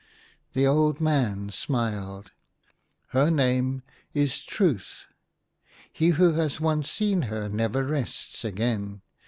The old man smiled. " Her name is Truth. He who has once seen her never rests again.